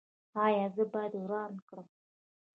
ایا زه باید وران کړم؟